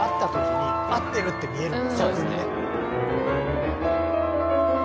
そうですね。